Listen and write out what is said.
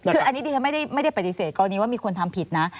คืออันนี้ดีไม่ได้ปฏิเสธตอนนี้ว่ามีคนทำผิดนะ